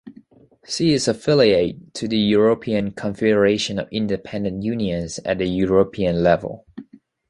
She is affiliated to the European Confederation of Independent Unions at the European level.